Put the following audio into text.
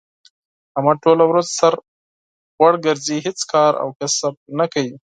احمد ټوله ورځ سر غوړ ګرځی، هېڅ کار او کسب نه کوي.